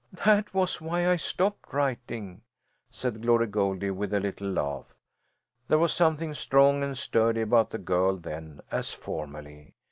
"That was why I stopped writing," said Glory Goldie, with a little laugh. There was something strong and sturdy about the girl then, as formerly.